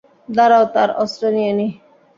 দাঁড়াও তার অস্ত্র নিয়ে নিই।